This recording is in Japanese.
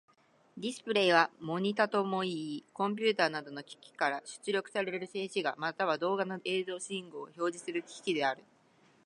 ディスプレイはモニタともいい、コンピュータなどの機器から出力される静止画、または動画の映像信号を表示する機器である。